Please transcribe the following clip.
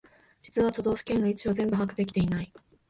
実は都道府県の位置を全部把握できてない